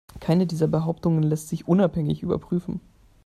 Keine dieser Behauptungen lässt sich unabhängig überprüfen.